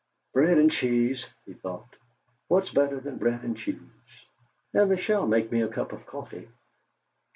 '.read and cheese,' he thought. 'What's better than bread and cheese? And they shall make me a cup of coffee.'